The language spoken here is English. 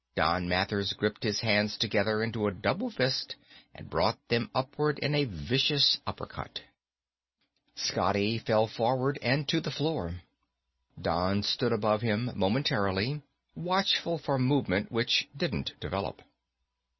Don Mathers gripped his hands together into a double fist and brought them upward in a vicious uppercut. Scotty fell forward and to the floor. Don stood above him momentarily, watchful for movement which didn't develop.